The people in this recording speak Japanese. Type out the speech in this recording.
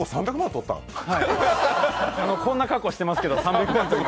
こんな格好してますけど３００万。